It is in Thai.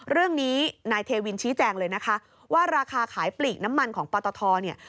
เรื่องนี้นายเทวินชี้แจงเลยนะคะว่าราคาขายปลีกน้ำมันของปตทเนี่ย